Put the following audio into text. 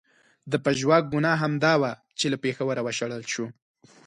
د پژواک ګناه همدا وه چې له پېښوره و شړل شو.